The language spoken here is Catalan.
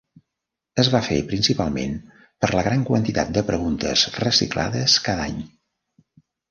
Es va fer, principalment, per la gran quantitat de preguntes reciclades cada any.